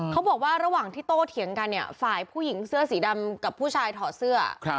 เขาบอกว่าระหว่างที่โต้เถียงกันเนี่ยฝ่ายผู้หญิงเสื้อสีดำกับผู้ชายถอดเสื้อ